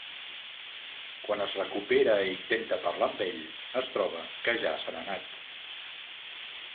Quan es recupera i intenta parlar amb ell, es troba que ja se n'ha anat.